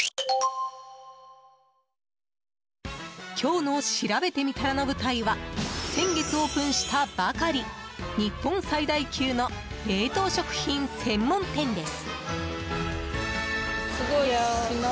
今日のしらべてみたらの舞台は先月オープンしたばかり日本最大級の冷凍食品専門店です。